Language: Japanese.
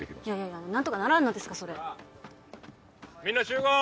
いや何とかならんのですかそれみんな集合！